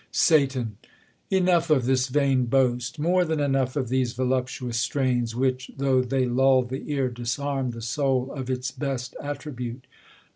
Satan. Enough of this vain boast, More than enough of these voluptuous strains. Which, though they lull the ear, disarm the soul Ofits best attribute.